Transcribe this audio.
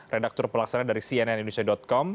redaktur pelaksana dari cnn indonesia com